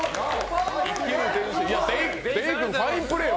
出井君、ファインプレーよ